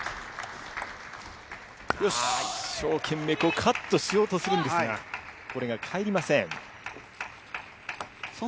カットしようとするんですが、これが返りません。